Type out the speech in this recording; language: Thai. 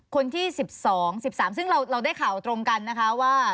คนที่๑๒๑๓ซึ่งเราได้ข่าวตรงกันนะคะว่า